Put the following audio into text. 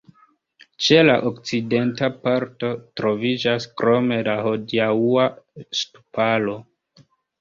Ĉe la okcidenta parto troviĝas krome la hodiaŭa ŝtuparo.